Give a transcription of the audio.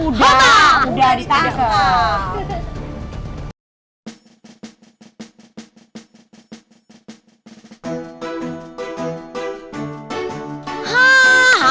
udah udah ditangkan